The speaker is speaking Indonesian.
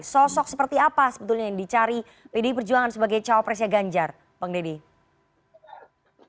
sosok seperti apa sebetulnya yang dicari pdi perjuangan sebagai cawapresnya ganjar bang deddy